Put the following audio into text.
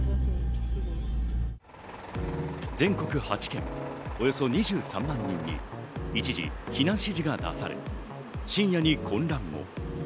全国８県、およそ２３万人に一時、避難指示が出され深夜に混乱も。